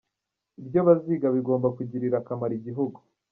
Ibyo baziga bigomba kugirira akamaro igihugu.